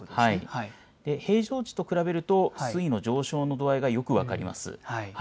平常時と比べると、水位の上昇の度合いがよく分かります。